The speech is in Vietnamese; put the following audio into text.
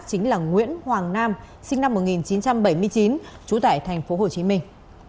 chính là nguyễn hoàng nam sinh năm một nghìn chín trăm bảy mươi chín trú tại thành phố hồ chí minh